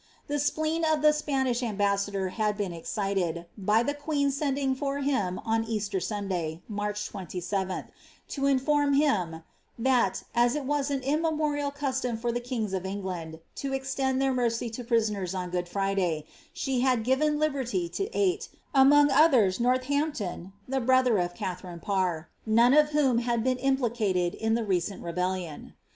The spleen of the Spanish ambaiiSBdor had been excited, by the queen sending for him on Canter Sunday, March 27 th, to inform hini, " that, as it was an immemorial custom for the kings of Englmiil Ut extend their mercy to pritoners on Good Friday, she had given liberty to eight, among others to Norlhamptou (the brother of Katharine Parr), none of whom had been implicated in the recent rebellion."